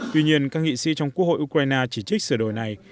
tuy nhiên các nghị sĩ trong quốc hội ukraine chỉ trích sửa đổi này